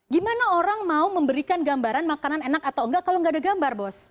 gimana orang mau memberikan gambaran makanan enak atau enggak kalau nggak ada gambar bos